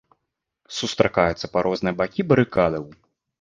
Сустракаюцца па розныя бакі барыкадаў.